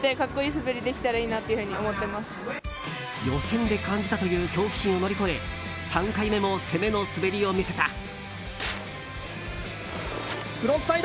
予選で感じたという恐怖心を乗り越え３回目も、攻めの滑りを見せた。